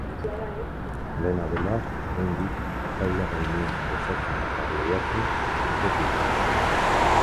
Dena dela, oraindik, taula gainean gozatzen eta lehiatzen jarraituko du.